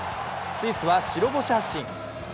スイスは白星発進。